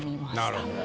なるほど。